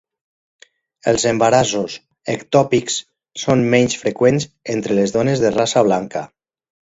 Els embarassos ectòpics són menys freqüents entre les dones de raça blanca.